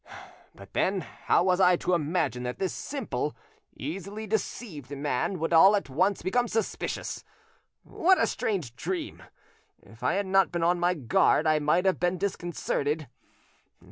But then, how was I to imagine that this simple, easily deceived man would all at once become suspicious? What a strange dream! If I had not been on my guard, I might have been disconcerted.